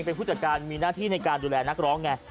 เป็นผู้จัดการมีหน้าที่ในการดูแลนักร้องไง